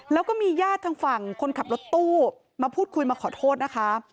แล้วก็มีญาติทางฝั่งคนขับรถตู้มาพูดคุยมาขอโทษนะคะ